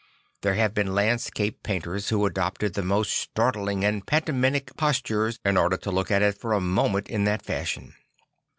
There have been landscape painters who adopted the most startling and pantomimic postures in order to look at it for a moment in that fashion.